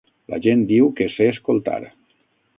La gent diu que sé escoltar.